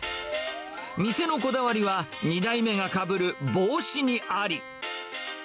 店のこだわりは、２代目がかぶる帽子にあり。